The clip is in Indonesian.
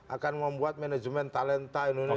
akan membuat manajemen talenta indonesia